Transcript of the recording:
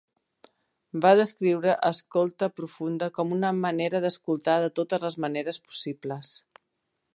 Va descriure escolta profunda com una manera d’escoltar de totes les maneres possibles.